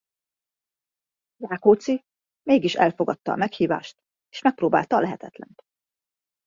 Rákóczi mégis elfogadta a meghívást és megpróbálta a lehetetlent.